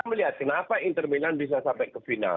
saya melihat kenapa inter milan bisa sampai ke final